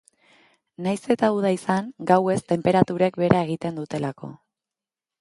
Nahiz eta uda izan, gauez tenperaturek behera egiten dutelako.